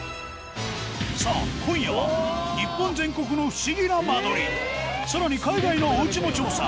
さあ今夜は日本全国の不思議な間取りさらに海外のおうちも調査。